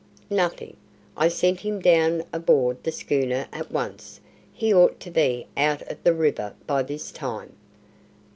"Nothing. I sent him down aboard the schooner at once. He ought to be out of the river by this time."